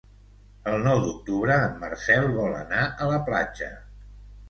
El nou d'octubre en Marcel vol anar a la platja.